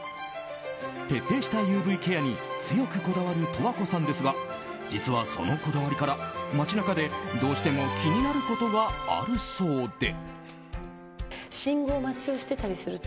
徹底したＵＶケアに強くこだわる十和子さんですが実は、そのこだわりから街中でどうしても気になることがあるそうで。